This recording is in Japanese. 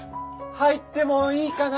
・入ってもいいかな？